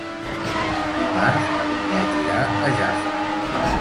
Dimarts na Vinyet irà a Jafre.